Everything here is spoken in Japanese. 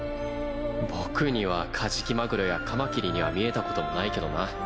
僕にはカジキマグロやカマキリには見えたこともないけどな。